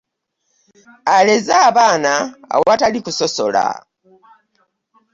Aleze abaana awatali kusosola.